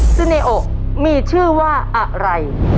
ซิเนโอมีชื่อว่าอะไร